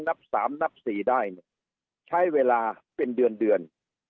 นับสามนับสี่ได้ใช้เวลาเป็นเดือนเดือน